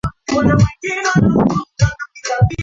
la uokoaji la utoaji wa mikopo kwa wanafunzi wa tanzania